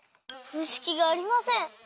むしきがありません。